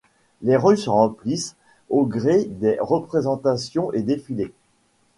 Les rues se remplissent au gré des représentations et défilés.